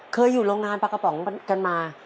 เคยอยู่โรงงานปลากระป๋องกันมา